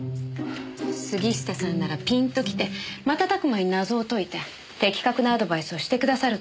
杉下さんならピンときて瞬く間に謎を解いて的確なアドバイスをしてくださると思ってました。